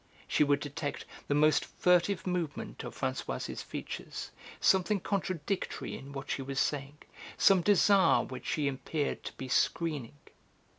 She would detect the most furtive movement of Françoise's features, something contradictory in what she was saying, some desire which she appeared to be screening.